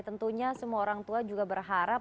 tentunya semua orang tua juga berharap